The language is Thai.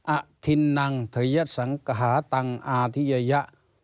อธินนังธยสังกหาตังอาธิยะ